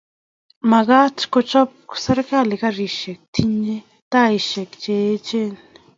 Magat kochob serkalit garisiek tinyei taisiek che eechen